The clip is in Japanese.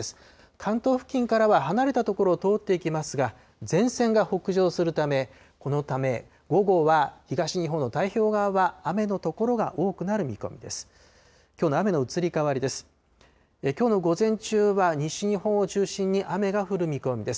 関東付近からは離れた所を通っていきますが、前線が北上するため、このため、午後は東日本の太平洋側は雨の所が多くなる見込みです。